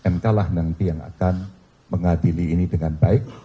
mk lah nanti yang akan mengadili ini dengan baik